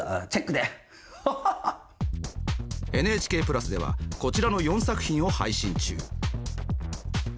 ＮＨＫプラスではこちらの４作品を配信中。